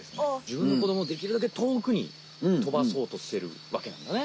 じぶんのこどもできるだけとおくにとばそうとしてるわけなんだね。